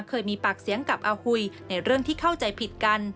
เคยมีปากเสียงกับอาหุยในเรื่องที่เข้าใจผิดกัน